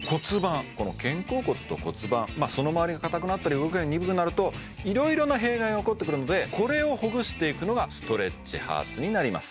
この肩甲骨と骨盤そのまわりが硬くなったり動きが鈍くなると色々な弊害が起こってくるのでこれをほぐしていくのがストレッチハーツになります